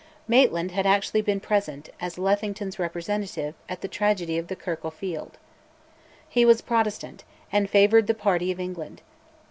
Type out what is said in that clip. Maitland had actually been present, as Lethington's representative, at the tragedy of the Kirk o' Field. He was Protestant, and favoured the party of England.